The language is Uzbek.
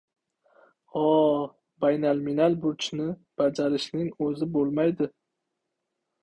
— O-o-o, baynalminal burchni bajarishning o‘zi bo‘lmaydi!